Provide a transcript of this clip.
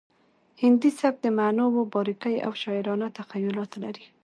هندي سبک د معناوو باریکۍ او شاعرانه تخیلات لري